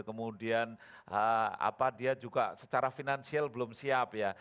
kemudian dia juga secara finansial belum siap ya